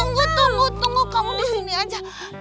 tunggu tunggu tunggu kamu disini aja